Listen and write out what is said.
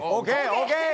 ＯＫ！